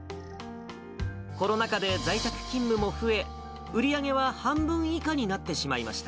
コロナ禍で在宅勤務も増え、売り上げは半分以下になってしまいました。